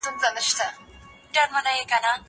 زه به سبا سفر کوم!!